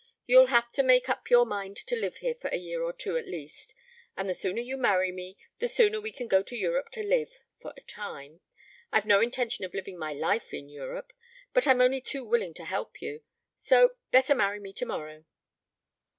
You'll have to make up your mind to live here for a year or two at least. And the sooner you marry me, the sooner we can go to Europe to live for a time. I've no intention of living my life in Europe. But I'm only too willing to help you. So better marry me tomorrow."